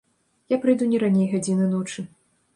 Я прыйду не раней гадзіны ночы.